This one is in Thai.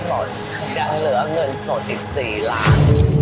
ก็เหลือเงินสดอีกสี่ล้าน